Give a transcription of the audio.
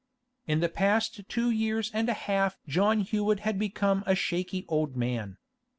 In the past two years and a half John Hewett had become a shaky old man.